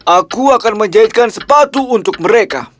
aku akan menjahitkan sepatu untuk mereka